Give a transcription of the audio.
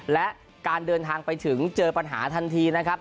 และการเดินทางไปถึงเจอปัญหาทันทีนะครับ